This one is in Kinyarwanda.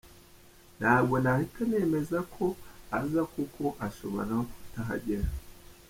Ntabwo nahita nemeza ko aza kuko ashobora no kutahagera.”